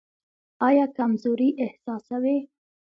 ایا کمزوري احساسوئ؟